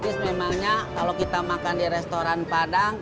terus memangnya kalau kita makan di restoran padang